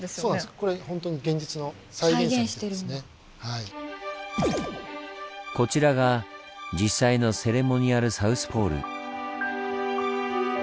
これほんとに現実のこちらが実際のセレモニアル・サウスポール。